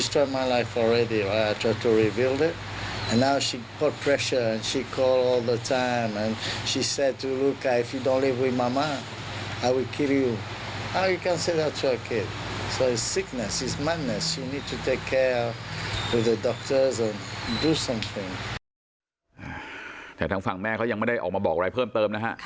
แต่ทางฝั่งแม่เขายังไม่ได้ออกมาบอกอะไรเพิ่มเติมนะฮะ